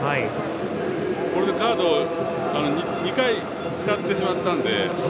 これでカード２回使ってしまったので。